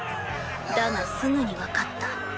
だがすぐに分かった。